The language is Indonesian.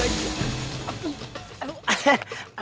ada masalah apa